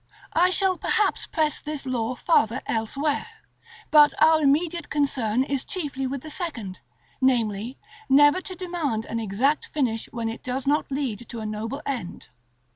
§ XIX. I shall perhaps press this law farther elsewhere, but our immediate concern is chiefly with the second, namely, never to demand an exact finish, when it does not lead to a noble end.